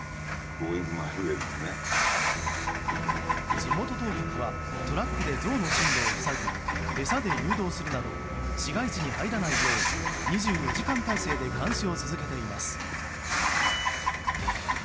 地元当局はトラックでゾウの進路を塞ぎ餌で誘導するなど市街地に入らないよう２４時間態勢で監視を続けています。